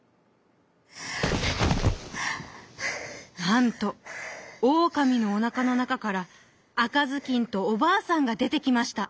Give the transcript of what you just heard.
なんとオオカミのおなかのなかからあかずきんとおばあさんがでてきました。